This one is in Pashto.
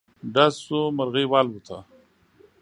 ډز شو، مرغی والوته.